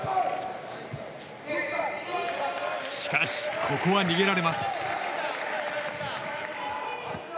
しかし、ここは逃げられます。